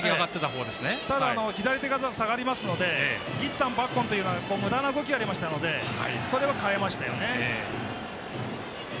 ただ、左手が下がりますのでぎったんばっこんというむだな動きがありましたのでそれは変えましたよね。